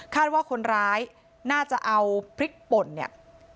ว่าคนร้ายน่าจะเอาพริกป่นเนี่ย